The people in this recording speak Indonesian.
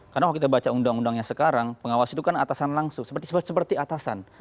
karena kalau kita baca undang undangnya sekarang pengawas itu kan atasan langsung seperti atasan